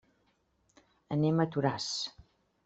Anem a Toràs.